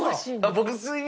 僕。